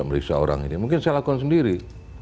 memeriksa orang ini mungkin saya lakukan sendiri